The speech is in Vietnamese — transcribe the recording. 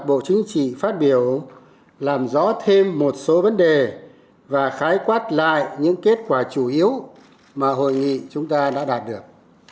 bộ chính trị phát biểu làm rõ thêm một số vấn đề và khái quát lại những kết quả chủ yếu mà hội nghị chúng ta đã đạt được